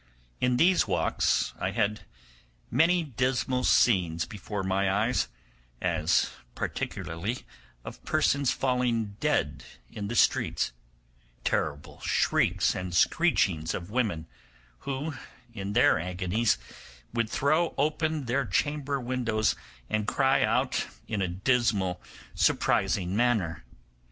In these walks I had many dismal scenes before my eyes, as particularly of persons falling dead in the streets, terrible shrieks and screechings of women, who, in their agonies, would throw open their chamber windows and cry out in a dismal, surprising manner.